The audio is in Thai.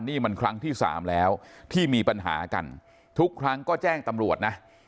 นี่มันครั้งที่สามแล้วที่มีปัญหากันทุกครั้งก็แจ้งตำรวจนะ